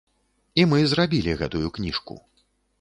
І мы зрабілі гэтую кніжку.